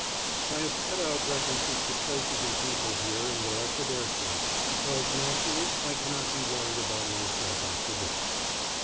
I have cut out references to places and people here and there for their sake, because naturally I cannot be worried about myself after death.